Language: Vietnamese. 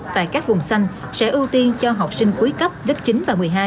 tại các vùng xanh sẽ ưu tiên cho học sinh cuối cấp lớp chín và một mươi hai